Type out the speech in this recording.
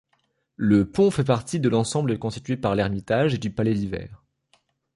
Le pont fait partie de l'ensemble constitué par l'Ermitage et du Palais d'Hiver.